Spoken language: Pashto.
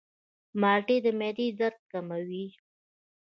مالټې د معدې درد کموي.